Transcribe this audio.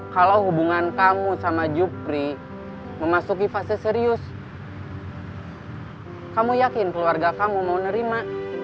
kalau hubungan kamu sama jupri memasuki fase serius kamu yakin keluarga kamu mau nerima